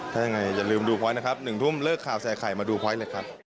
ถ้ายังไงอย่าลืมดูพลอยนะครับ๑ทุ่มเลิกข่าวใส่ไข่มาดูพลอยต์เลยครับ